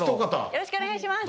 よろしくお願いします